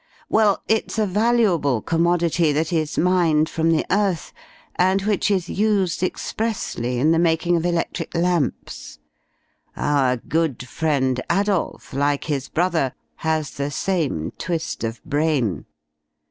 Well, it's a valuable commodity that is mined from the earth, and which is used expressly in the making of electric lamps. Our good friend Adolph, like his brother, has the same twist of brain.